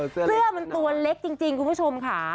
เสื้อมันตัวเล็กจริงคุณผู้ชมค่ะ